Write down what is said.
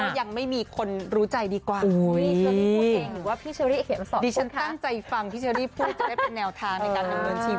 ก็ยังไม่มีคนรู้ใจดีกว่าดิฉันตั้งใจฟังพี่เชอรี่พูดจะได้เป็นแนวทางในการทำเงินชีวิต